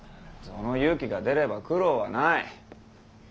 その勇気が出れば苦労はない。